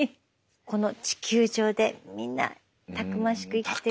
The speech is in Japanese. この地球上でみんなたくましく生きてる。